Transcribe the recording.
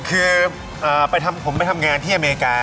คือผมไปทำงานที่อเมริกา